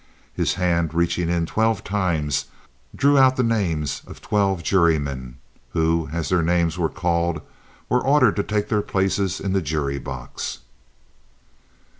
His hand reaching in twelve times drew out the names of the twelve jurymen, who as their names were called, were ordered to take their places in the jury box.